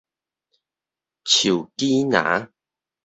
樹杞林